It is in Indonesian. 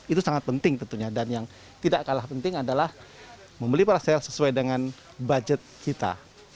itu sangat penting tentunya dan yang tidak kalah penting adalah membeli paracel sesuai dengan budget kita